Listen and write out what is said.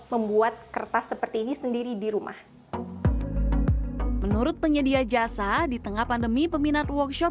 membuat kertas seperti ini sendiri di rumah menurut penyedia jasa di tengah pandemi peminat workshop